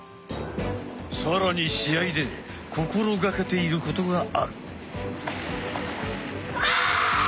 更に試合で心掛けていることがある。